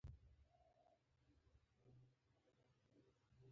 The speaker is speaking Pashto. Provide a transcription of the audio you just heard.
دلته د زردشت لومړني اور معبدونه وو